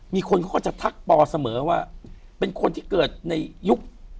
มีคนเขาก็จะทักปอเสมอว่าเป็นคนที่เกิดในยุค